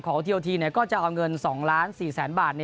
ของทีโอทีเนี่ยก็จะเอาเงินเงิน๒ล้าน๔แสนบาท